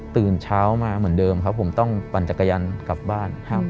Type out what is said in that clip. ตื่นเช้ามาเหมือนเดิมครับผมต้องปั่นจักรยานกลับบ้าน